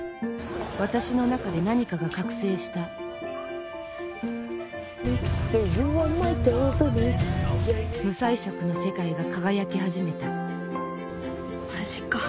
私の中で何かが覚醒した無彩色の世界が輝き始めたマジか。